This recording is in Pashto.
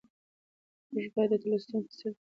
موږ باید د تولستوی په څېر د بشري ارزښتونو درناوی وکړو.